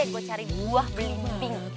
gue cari buah beli pink